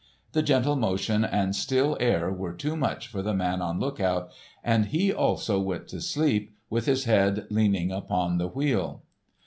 The gentle motion and still air were too much for the man on lookout, and he, also, went to sleep with his head leaning upon the wheel.